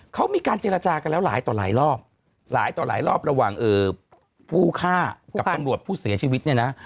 เขามีการเจรจากันแล้วหลายต่อหลายรอบหลายต่อหลายรอบระหว่างผู้ฆ่ากับตำรวจผู้เสียชีวิตเนี่ยนะ